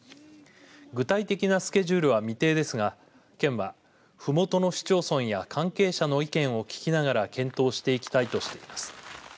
具体的なスケジュールは未定ですが県は、ふもとの市町村や関係者の意見を聞きながら検討していきたいとしています。